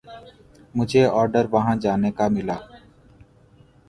مجھے آرڈر وہاں جانے کا ملا۔